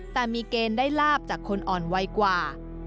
แต่มีเกณฑ์ได้ลาบจากคนอ่อนไวกว่า